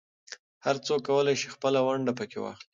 هر څوک کولای شي خپله ونډه پکې واخلي.